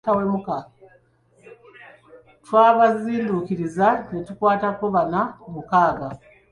Twabazinduukirizza ne tukwatako bana ku mukaaga.